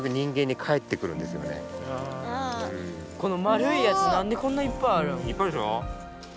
この丸いやつなんでこんないっぱいあるん⁉いっぱいあるでしょ。